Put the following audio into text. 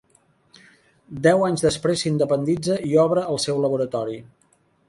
Deu anys després s'independitza i obre el seu laboratori.